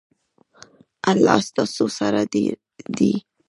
الله ستاسو سره دی